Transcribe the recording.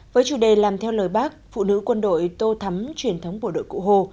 với chủ đề làm theo lời bác phụ nữ quân đội tô thắm truyền thống bộ đội cụ hồ